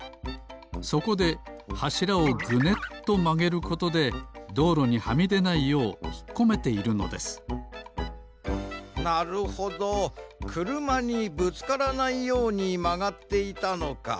そこではしらをぐねっとまげることでどうろにはみでないようひっこめているのですなるほどくるまにぶつからないようにまがっていたのか。